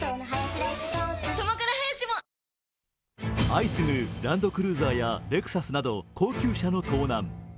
相次ぐランドクルーザーやレクサスなど高級車の盗難。